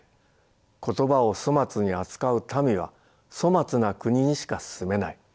言葉を粗末に扱う民は粗末な国にしか住めない。